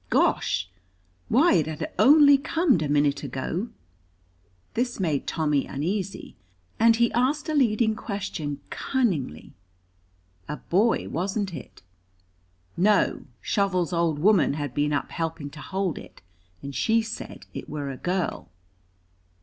Gosh! Why, it had only comed a minute ago. This made Tommy uneasy, and he asked a leading question cunningly. A boy, wasn't it? No, Shovel's old woman had been up helping to hold it, and she said it were a girl.